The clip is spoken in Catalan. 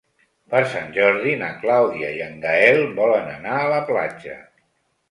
Per Sant Jordi na Clàudia i en Gaël volen anar a la platja.